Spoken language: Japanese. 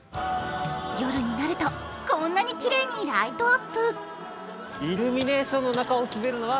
夜になると、こんなにきれいにライトアップ。